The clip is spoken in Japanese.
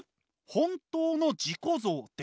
「本当の自己像」です。